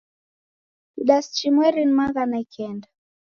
Kidasi chimweri ni maghana ikenda.